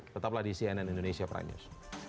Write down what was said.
tetaplah di cnn indonesia prime news